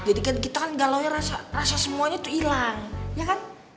jadi kan kita kan galauin rasa semuanya tuh ilang ya kan